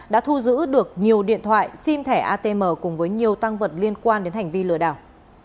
đã thu giữ được nhiều điện thoại sim thẻ atm cùng với nhiều tăng vật liên quan đến hành vi lừa đảo